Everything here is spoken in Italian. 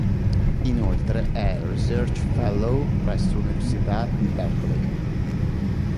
Inoltre, è "research fellow" presso l'Università di Berkeley.